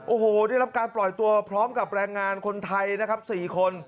โอ้โหได้รับการปล่อยตัวพร้อมกับแรงงานคนไทยนะครับ๔คน